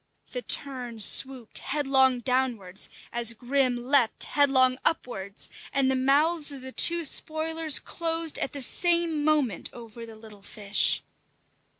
The tern swooped headlong downwards as Grim leaped headlong upwards, and the mouths of the two spoilers closed at the same moment over the little fish.